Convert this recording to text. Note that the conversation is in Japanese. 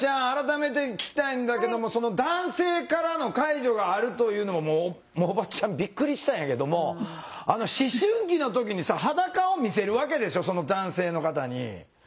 改めて聞きたいんだけども男性からの介助があるというのももうおばちゃんびっくりしたんやけども思春期の時にさ裸を見せるわけでしょその男性の方に。